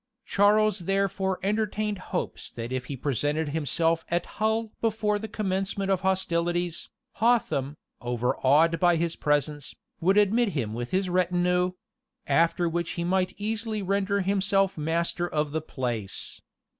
Charles therefore entertained hopes that if he presented himself at Hull before the commencement of hostilities, Hotham, overawed by his presence, would admit him with his retinue; after which he might easily render himself master of the place.